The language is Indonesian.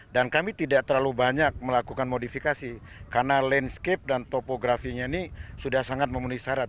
dan kami tidak terlalu banyak melakukan modifikasi karena landscape dan topografinya ini sudah sangat memenuhi syarat